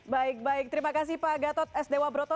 baik baik terima kasih pak gatot sd wabroto